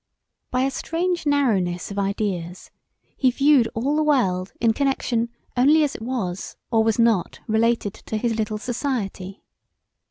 By a strange narrowness of ideas he viewed all the world in connexion only as it was or was not related to his little society.